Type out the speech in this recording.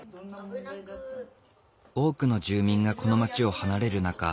多くの住民がこの町を離れる中